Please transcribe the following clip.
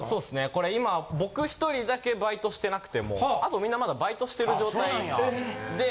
これ今僕１人だけバイトしてなくてあとみんなバイトしてる状態で。